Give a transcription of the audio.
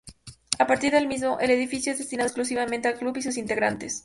A partir del mismo, el edificio es destinado exclusivamente al club y sus integrantes.